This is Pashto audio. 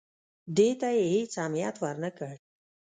دې ته یې هېڅ اهمیت ورنه کړ.